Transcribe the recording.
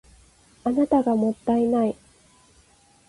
あなたがもったいない